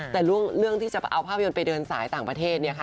แต่เรื่องที่จะเอาภาพยนตร์ไปเดินสายต่างประเทศเนี่ยค่ะ